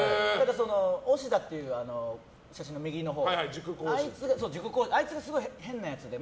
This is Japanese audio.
押田っていう写真の右のほうあいつがすごい変なやつで。